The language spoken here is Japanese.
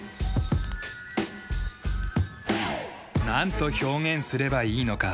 なんと表現すればいいのか。